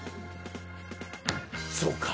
そうか！